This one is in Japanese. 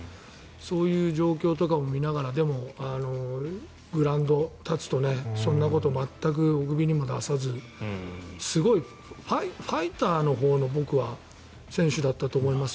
そういう状況とかも見ながらでも、グラウンドに立つとそんなこと全くおくびにも出さずすごいファイターの選手だったと思います。